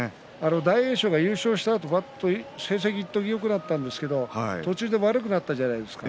大栄翔が優勝した時成績がよくなったんですけど途中で悪くなったじゃないですか。